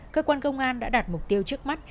cơ quan công an đã đạt mục tiêu trước mắt